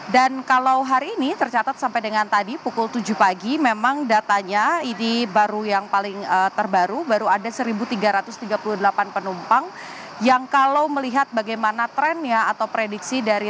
dan kalau hari ini tercatat sampai dengan tadi pukul tujuh pagi memang datanya ini baru yang paling terbaru baru ada satu tiga ratus tiga puluh delapan penumpang yang kalau melihat bagaimana trennya atau prediksi dari